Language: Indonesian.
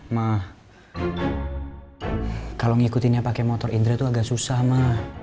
ma kalau ngikutinnya pakai motor indra tuh agak susah ma